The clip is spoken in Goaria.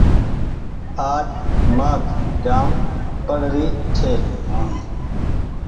آج مآک جآم پڙري ڇي۔